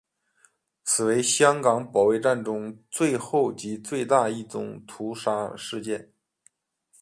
此为香港保卫战中最后及最大一宗屠杀事件。